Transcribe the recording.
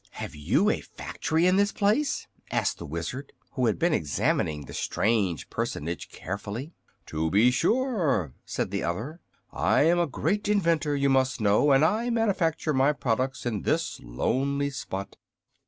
"Have you a factory in this place?" asked the Wizard, who had been examining the strange personage carefully. "To be sure," said the other. "I am a great inventor, you must know, and I manufacture my products in this lonely spot."